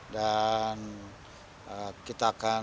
dan kita akan